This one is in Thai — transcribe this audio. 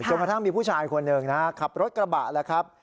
กระทั่งมีผู้ชายคนหนึ่งนะฮะขับรถกระบะแล้วครับ